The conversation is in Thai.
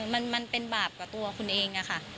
มันเป็นบาปกับตัวคุณเองอะค่ะ